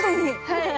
はい。